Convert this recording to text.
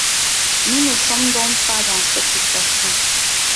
Nous ne sommes donc pas dans cette situation.